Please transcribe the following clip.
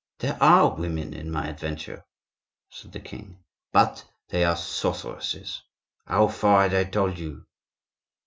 "There are women in my adventure," said the king; "but they are sorceresses. How far had I told you?"